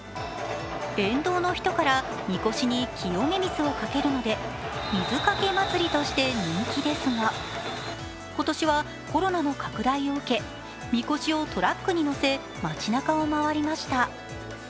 沿道の人からみこしに清め水をかけるので水かけまつりとして人気ですが今年はコロナの拡大を受けみこしをトラックに載せ街なかを回りました。